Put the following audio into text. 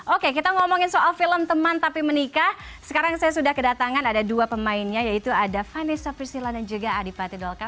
oke kita ngomongin soal film teman tapi menikah sekarang saya sudah kedatangan ada dua pemainnya yaitu ada vanessa priscila dan juga adipati dolka